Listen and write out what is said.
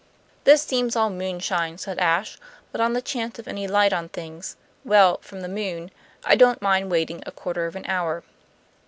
"This seems all moonshine," said Ashe, "but on the chance of any light on things well, from the moon I don't mind waiting a quarter of an hour.